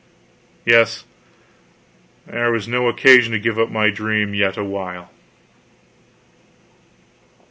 Yes, there was no occasion to give up my dream yet a while.